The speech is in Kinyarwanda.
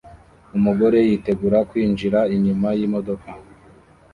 Umugore yitegura kwinjira inyuma yimodoka